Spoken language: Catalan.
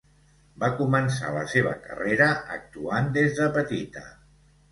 Va començar la seva carrera actuant des de petita.